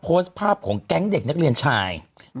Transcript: โพสต์ภาพของแก๊งเด็กนักเรียนชาย